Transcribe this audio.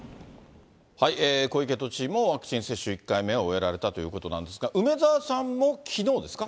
小池都知事もワクチン接種１回目を終えられたということなんですが、梅沢さんもきのうですか？